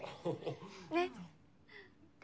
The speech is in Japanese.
ねっ？